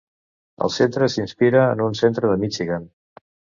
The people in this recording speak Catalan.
El centre s'inspira en un centre de Michigan.